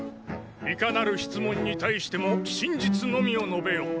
いかなる質問に対しても真実のみを述べよ。